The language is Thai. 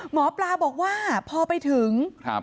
หมอปลาบอกว่าพอไปถึง